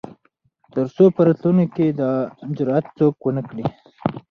تر څو په راتلونکو کې دا جرات څوک ونه کړي.